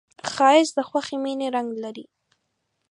ښایست د خوږې مینې رنګ لري